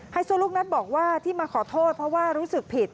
โซลูกนัทบอกว่าที่มาขอโทษเพราะว่ารู้สึกผิด